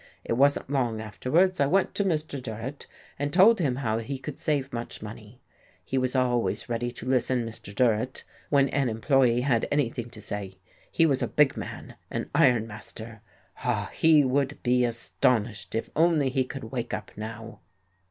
It wasn't long afterwards I went to Mr. Durrett and told him how he could save much money. He was always ready to listen, Mr. Durrett, when an employee had anything to say. He was a big man, an iron master. Ah, he would be astonished if only he could wake up now!"